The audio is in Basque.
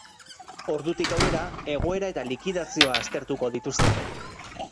Ordutik aurrera, egoera eta likidazioa aztertuko dituzte.